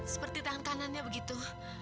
seperti tangan kanannya begitu